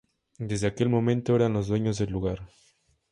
Desde aquel momento eran los dueños del lugar.